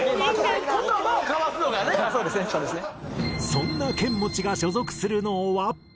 そんなケンモチが所属するのは。